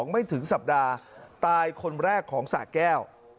ไม่ถึงสัปดาห์ตายคนแรกของสะแก้ว